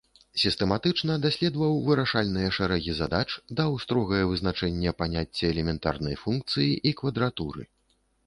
Сістэматычна даследаваў вырашальныя шэрагі задач, даў строгае вызначэнне паняцця элементарнай функцыі і квадратуры.